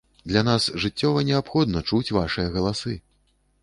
Для нас жыццёва неабходна чуць вашыя галасы!